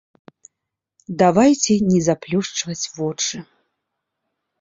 Давайце не заплюшчваць вочы!